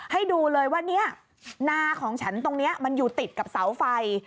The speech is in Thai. ให้ดูเลยว่าเนี่ยนาของฉันตรงนี้มันอยู่ติดกับเสาไฟ